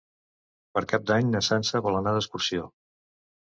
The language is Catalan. Per Cap d'Any na Sança vol anar d'excursió.